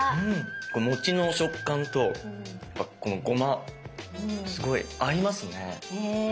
餅の食感とこのごますごい合いますね。